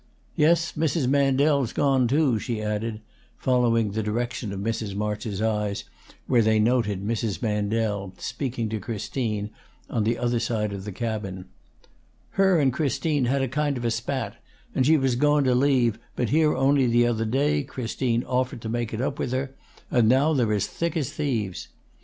"Yes, Mrs. Mandel's goun', too," she added, following the direction of Mrs. March's eyes where they noted Mrs. Mandel, speaking to Christine on the other side of the cabin. "Her and Christine had a kind of a spat, and she was goun' to leave, but here only the other day, Christine offered to make it up with her, and now they're as thick as thieves.